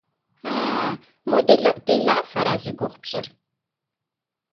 А-а, мо делэӏуделафэра зи гугъу пщӏыр?